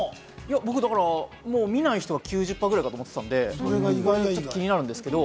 僕、見ない人が９０％ぐらいだと思ってたので、気になるんですけど。